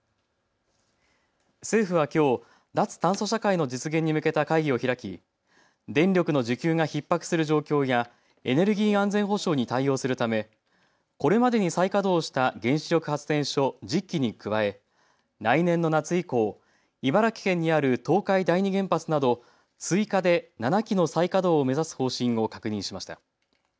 政府はきょう、脱炭素社会の実現に向けた会議を開き、電力の需給がひっ迫する状況やエネルギー安全保障に対応するため、これまでに再稼働した原子力発電所１０基に加え来年の夏以降、茨城県にある東海第二原発など追加で７基の再稼働を目指す方針を確認しました。